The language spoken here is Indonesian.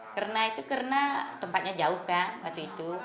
karena itu karena tempatnya jauh kan waktu itu